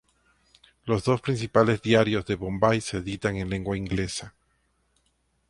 Los dos principales diarios de Bombay se editan en lengua inglesa.